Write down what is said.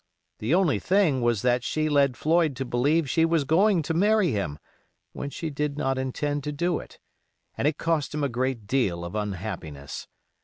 The only thing was that she led Floyd to believe she was going to marry him when she did not intend to do it, and it cost him a great deal of unhappiness.